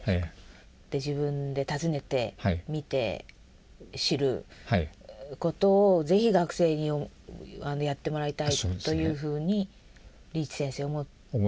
自分で訪ねて見て知ることを是非学生にやってもらいたいというふうにリーチ先生思ってらしたという。